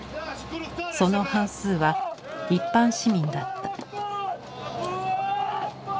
その半数は一般市民だった。